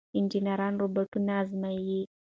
انجنیران روباټونه ازمويي.